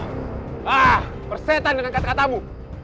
ah persetan dengan kata katamu